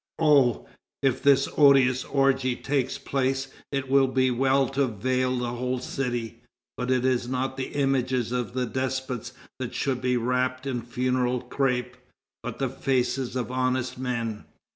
Oh! if this odious orgy takes place, it will be well to veil the whole city; but it is not the images of despots that should be wrapt in funeral crape, but the faces of honest men.